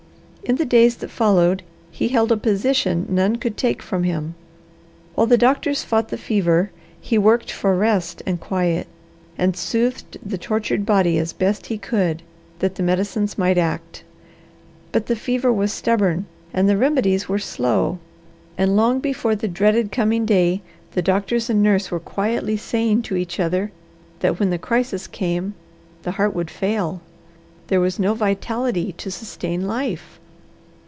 In the days that followed he held a position none could take from him. While the doctors fought the fever, he worked for rest and quiet, and soothed the tortured body as best he could, that the medicines might act. But the fever was stubborn, and the remedies were slow; and long before the dreaded coming day the doctors and nurse were quietly saying to each other that when the crisis came the heart would fail. There was no vitality to sustain life.